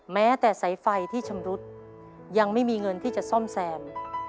แม้แต่สายไฟที่ชำรุดยังไม่มีเงินที่จะซ่อมแซม